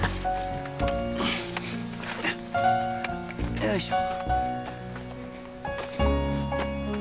よいしょ！